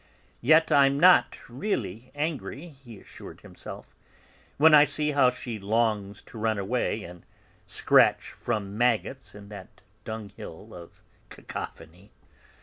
"Yet I'm not really angry," he assured himself, "when I see how she longs to run away and scratch from maggots in that dunghill of cacophony.